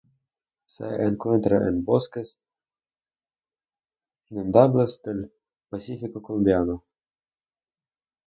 Se encuentra en bosques inundables del pacífico colombiano.